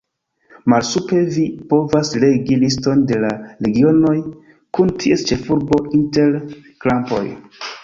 Malsupre vi povas legi liston de la regionoj, kun ties ĉefurbo inter krampoj.